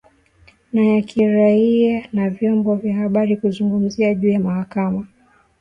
na ya kiraia na vyombo vya habari kuzungumzia juu ya mahakama